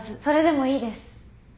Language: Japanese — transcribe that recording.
それでもいいです。